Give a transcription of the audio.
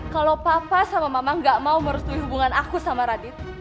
kalau papa sama mama gak mau merestui hubungan aku sama radit